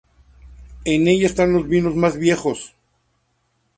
En ella están los vinos más viejos.